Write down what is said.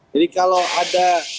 jadi kalau ada